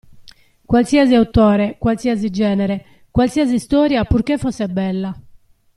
Qualsiasi autore, qualsiasi genere, qualsiasi storia purché fosse bella.